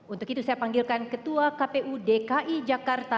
untuk itu saya panggilkan ketua kpu dki jakarta